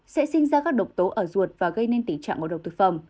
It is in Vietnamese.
sẽ sinh ra các độc tố ở ruột và gây nên tình trạng ngộ độc thực phẩm